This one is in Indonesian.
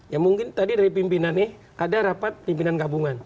ya mungkin tadi dari pimpinan ini ada rapat pimpinan gabungan